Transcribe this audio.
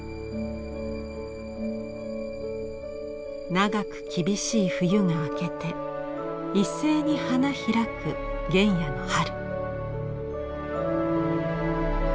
長く厳しい冬が明けて一斉に花開く原野の春。